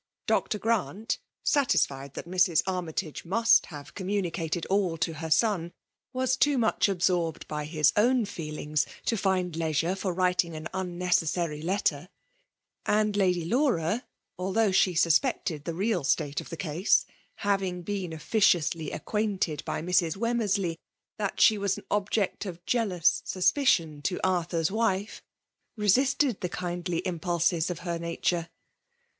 Dr. Grant, satisfied that Mrs. Armytage must have communicated all to her son, was too much absorbed by his own feelings to find leisure for writing an unnecessary letter ; and Lady Laura, although she suspected the real state of the case, having been officiously acquainted by Mrs. Wemmersley that At was an ohject of jealous suspicion to Arthnr's wife, resisted the kindly impulses of her IDd FEMALE t)0ttlKAtf<>1^J liature.